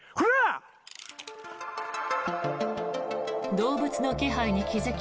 動物の気配に気付き